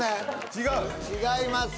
違います